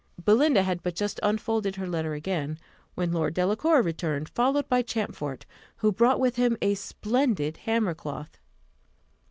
Belinda had but just unfolded her letter again, when Lord Delacour returned, followed by Champfort, who brought with him a splendid hammer cloth.